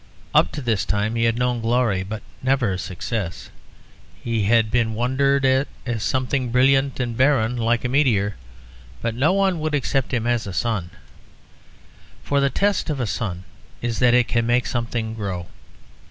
Up to this time he had known glory, but never success. He had been wondered at as something brilliant and barren, like a meteor; but no one would accept him as a sun, for the test of a sun is that it can make something grow.